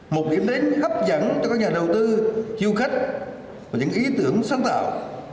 một điểm đến hấp dẫn cho các nhà đầu tư du khách và những ý tưởng sáng tạo